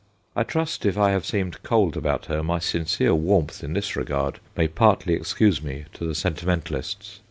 I trust if I have seemed cold about her my sincere warmth in this regard may partly excuse me to the sentimentalists.